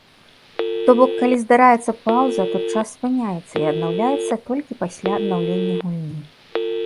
То бок калі здараецца паўза, то час спыняецца і аднаўляецца толькі пасля аднаўлення гульні.